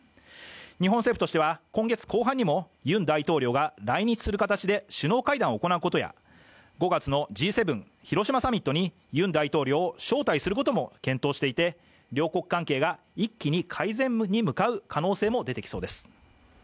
日本政府としては今月後半にもユン大統領が来日する形で首脳会談を行うことや５月のＧ７広島サミットにユン大統領を招待することも検討していて顔の印象はね変わるのよ